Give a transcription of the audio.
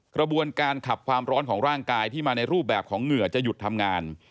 กระบวนการขับความร้อนของร่างกายที่มาในรูปแบบของเหงื่อจะหยุดทำงาน